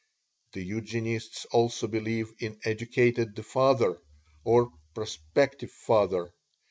The Eugenists also believe in educating the father, or prospective father.